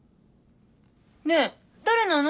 ねえ誰なの？